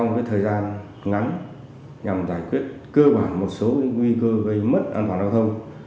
với thời gian ngắn nhằm giải quyết cơ bản một số nguy cơ gây mất an toàn đồng thông